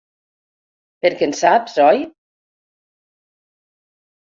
Perquè en saps, oi?